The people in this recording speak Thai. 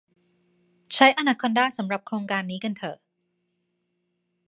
ใช้อนาคอนดาสำหรับโครงการนี้กันเถอะ